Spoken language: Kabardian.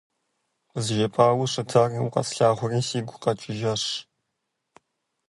КъызжепӀауэ щытар, укъэслъагъури, сигу къэкӀыжащ.